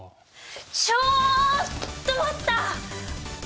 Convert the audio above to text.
ちょっと待った！